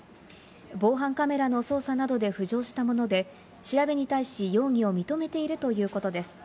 防犯カメラの捜査などで浮上したもので、調べに対し、容疑を認めているということです。